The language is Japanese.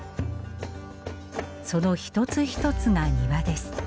その一つ一つが庭です。